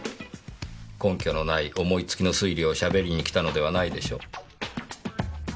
根拠のない思い付きの推理をしゃべりに来たのではないでしょう。